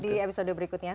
di episode berikutnya